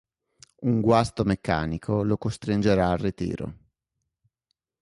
Un guasto meccanico lo costringerà al ritiro.